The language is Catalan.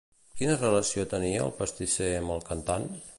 Quina relació tenia el pastisser amb el cantant?